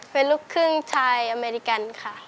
เป็นลูกครึ่งชายอเมริกันค่ะ